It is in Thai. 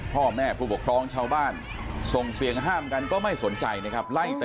เฮ้ยอย่าตามมันทำไมล่ะน่ะ